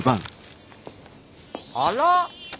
あら。